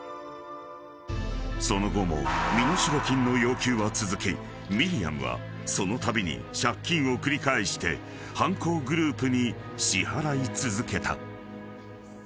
［その後も身代金の要求は続きミリアムはそのたびに借金を繰り返して犯行グループに支払い続けた］